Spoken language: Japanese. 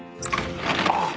あっ。